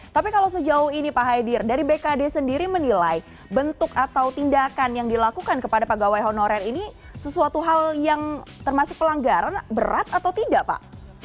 tapi kalau sejauh ini pak haidir dari bkd sendiri menilai bentuk atau tindakan yang dilakukan kepada pegawai honorer ini sesuatu hal yang termasuk pelanggaran berat atau tidak pak